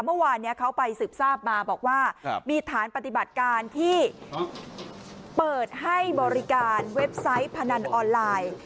เมื่อวานนี้เขาไปสืบทราบมาบอกว่ามีฐานปฏิบัติการที่เปิดให้บริการเว็บไซต์พนันออนไลน์